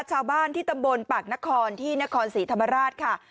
ชาวบ้านที่ตำบลปากนครที่นครศรีธรรมราชค่ะ